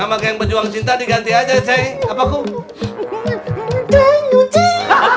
namaku yang berjuang cinta diganti aja ceng